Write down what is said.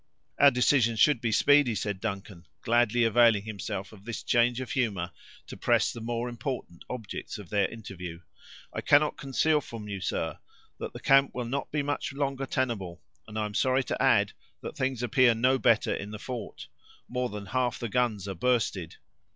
"Our decision should be speedy," said Duncan, gladly availing himself of this change of humor, to press the more important objects of their interview; "I cannot conceal from you, sir, that the camp will not be much longer tenable; and I am sorry to add, that things appear no better in the fort; more than half the guns are bursted."